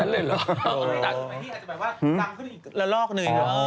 แต่สุดที่อาจจะหมายว่าดังขึ้นอีกละลอกหนึ่ง